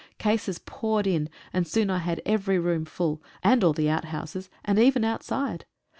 Cases poured in, and soon I had every room full, and all the outhouses, and even outside.